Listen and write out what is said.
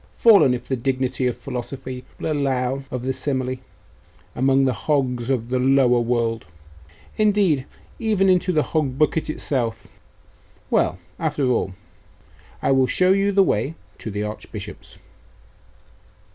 fallen, if the dignity of philosophy will allow of the simile, among the hogs of the lower world indeed, even into the hog bucket itself. Well, after all, I will show you the way to the Archbishop's.